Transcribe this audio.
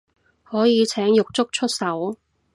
可以請獄卒出手